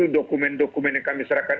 dokumen dokumen yang kami serahkan